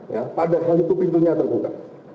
ya pada saat itu pintunya terbuka